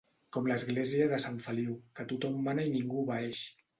Com l'església de Sant Feliu, que tothom mana i ningú obeeix.